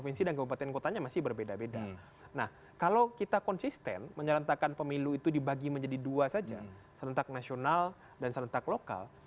nah kalau kita konsisten menyerentakkan pemilu itu dibagi menjadi dua saja serentak nasional dan serentak lokal